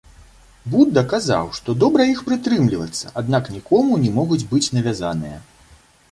Буда казаў, што добра іх прытрымлівацца, аднак нікому не могуць быць навязаныя.